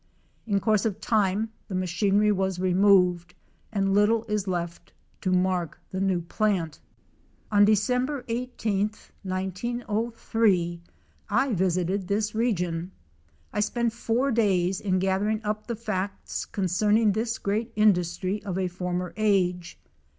In course of time the machinery was removed, and little is left to mark the new plant. On Dec. 18, 1903, I visited this region. I spent four days in gath ering up the facts concerning this great industry of a former age.